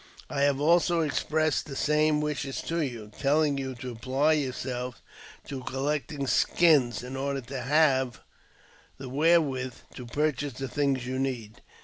I have also expressed the same wishes to you, I telling you to apply yourselves to collecting skins, in order to have the wherewith to purchase the things that you need.